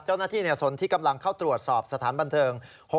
เจ้าหน้าที่เนียร์สนที่กำลังเข้าตรวจสอบสถานบันเทิง